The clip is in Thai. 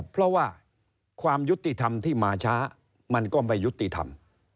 เพราะว่าความยุติธรรมที่มาช้ามันก็ไม่ยุติธรรม